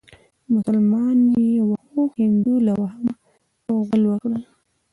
مسلمان يې واهه هندو له وهمه غول وکړه.